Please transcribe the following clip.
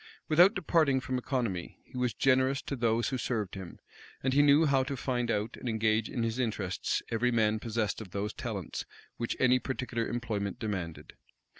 Without departing from economy, he was generous to those who served him; and he knew how to find out and engage in his interests every man possessed of those talents which any particular employment demanded.